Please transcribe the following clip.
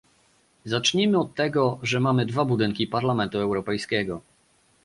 Zacznijmy od tego, że mamy dwa budynki Parlamentu Europejskiego